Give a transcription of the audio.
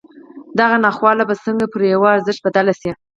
دغه ناخواله به څنګه پر يوه ارزښت بدله شي.